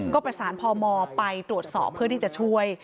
ก็ประสานพมไปตรวจสอบเพื่อที่จะช่วย